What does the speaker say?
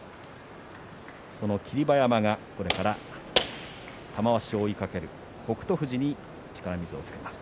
その霧馬山が、これから玉鷲を追いかける北勝富士に力水をつけます。